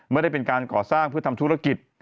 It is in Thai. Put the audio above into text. ไม่ได้เป็นการก่อสร้างเพื่อทำธุรกิจ